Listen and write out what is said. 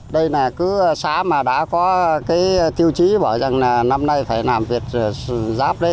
đây là xã mà đã có tiêu chí bảo rằng năm nay phải làm việc giáp đấy